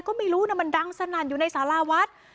ก็ไม่รู้นะมันดังสนั่นอยู่ในสาราวัด